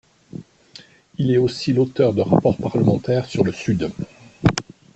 Il est aussi l'auteur de rapports parlementaires sur le Sud.